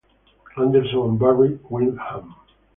Anderson and Barry Windham.